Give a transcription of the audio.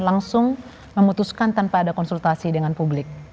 langsung memutuskan tanpa ada konsultasi dengan publik